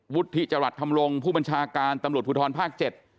วุฒิจรรย์ธรรมรงค์ผู้บัญชาการตำรวจภูทรภาค๗